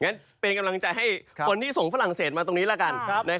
งั้นเป็นกำลังใจให้คนที่ส่งฝรั่งเศสมาตรงนี้ละกัน